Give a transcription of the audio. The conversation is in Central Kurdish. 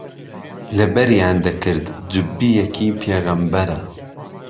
لهبەریان دهکرد جوببیەکی پیغهمبەره